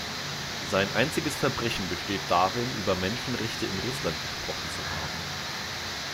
Sein einziges Verbrechen besteht darin, über Menschenrechte in Russland gesprochen zu haben.